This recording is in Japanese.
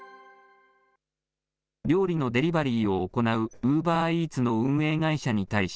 料理のデリバリーを行うウーバーイーツの運営会社に対し、